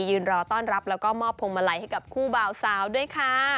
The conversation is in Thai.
ยืนรอต้อนรับแล้วก็มอบพวงมาลัยให้กับคู่บ่าวสาวด้วยค่ะ